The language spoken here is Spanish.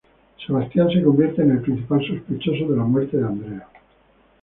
Sebastián se convierte en el principal sospechoso de la muerte de Andrea.